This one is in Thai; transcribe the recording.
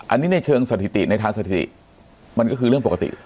อันนี้ในเชิงสถิติในทางสถิติมันก็คือเรื่องปกติ